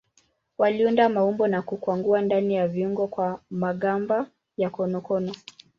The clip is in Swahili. Waliunda maumbo na kukwangua ndani ya viungu kwa magamba ya konokono.